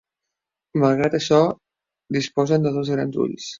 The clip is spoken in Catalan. Malgrat això disposen de dos grans ulls.